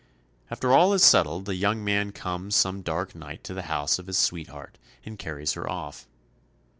After all is settled the young man comes some dark night to the house of his sweetheart and carries her off.